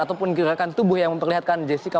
ataupun gerakan tubuh yang memperlihatkan jessica